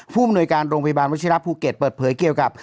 ผู้อำนวยการโรงพยาบาลวัชิระภูเก็ตเปิดเผยเกี่ยวกับ